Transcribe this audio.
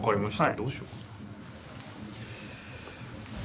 どうしようかな。